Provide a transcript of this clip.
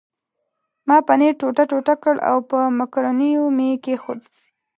ما پنیر ټوټه ټوټه کړ او په مکرونیو مې کښېښود.